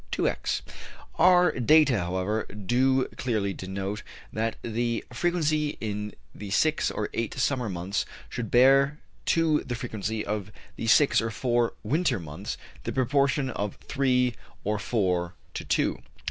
Our data, however, do clearly denote that the frequency in the six or eight summer months should bear to the frequency of the six or four winter months the proportion of three or four to two.